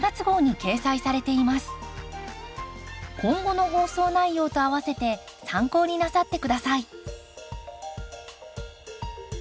今後の放送内容とあわせて参考になさって下さい。